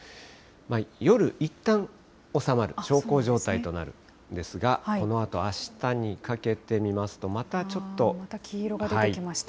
夜、いったん収まる、小康状態となるんですが、このあと、あしたまた黄色が出てきました。